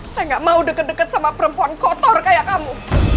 saya gak mau deket deket sama perempuan kotor kayak kamu